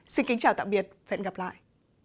xin kính chào tạm biệt hẹn gặp lại